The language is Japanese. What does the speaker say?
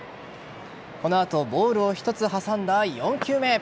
この後、ボールを１つ挟んだ４球目。